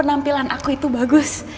penampilan aku itu bagus